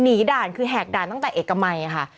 ด่านคือแหกด่านตั้งแต่เอกมัยค่ะ